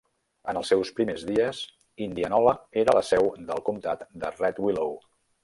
En els seus primers dies, Indianola era la seu del comtat de Red Willow.